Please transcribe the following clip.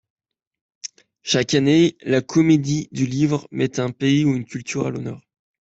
Chaque année la Comédie du Livre met un pays ou une culture à l'honneur.